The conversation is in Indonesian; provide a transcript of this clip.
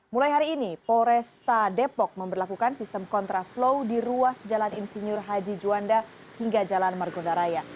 mulai hari ini polresta depok memperlakukan sistem kontraflow di ruas jalan insinyur haji juanda hingga jalan margonda raya